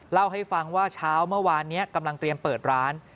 เล่าให้ฟังว่าเช้าเมื่อวานนี้กำลังเตรียมเปิดร้าน